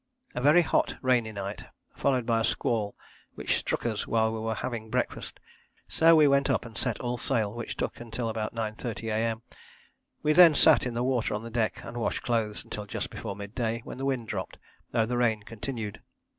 A very hot, rainy night, followed by a squall which struck us while we were having breakfast, so we went up and set all sail, which took until about 9.30 A.M. We then sat in the water on the deck and washed clothes until just before mid day, when the wind dropped, though the rain continued.